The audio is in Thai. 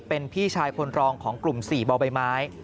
เป็นพี่ชายคนรองของกลุ่ม๔บ่อใบไม้